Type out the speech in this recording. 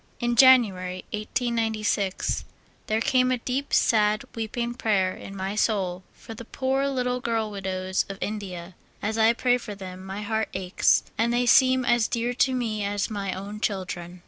In January, 1896, there came a deep, sad, weeping prayer in my soul for the poor little girl widows of BURDENS OF PRAYKR. IO9 India ; as I pray for them, my heart aches, and they seem as dear to me as my own children.